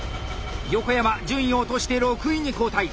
横山順位を落として６位に後退。